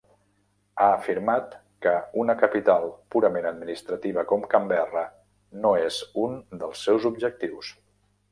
Ha afirmat que una capital purament administrativa com Canberra no és un dels seus objectius.